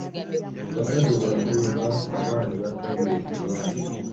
Bakadde baabwe bwe baafa abaana baatunda ekibanja.